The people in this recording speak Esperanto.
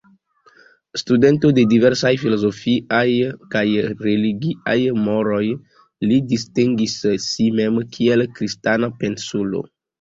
Studento de diversaj filozofiaj kaj religiaj moroj, li distingis si mem kiel Kristana pensulo.